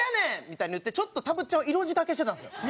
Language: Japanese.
みたいに言ってちょっとたぶっちゃんを色仕掛けしてたんですよ。